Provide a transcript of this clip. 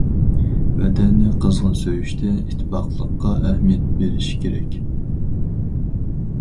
ۋەتەننى قىزغىن سۆيۈشتە، ئىتتىپاقلىققا ئەھمىيەت بېرىش كېرەك.